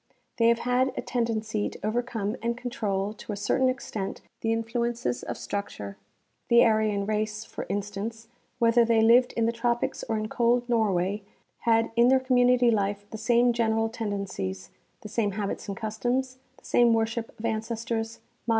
They have had a tendency to overcome and control to a certain extent the influences of structure; the Aryan race, for instance, whether they lived in the tropics or in cold Norway, had in their community life the same general tendencies, the same habits and customs, the same worship of ancestors, mod Dependence of Man on Environment.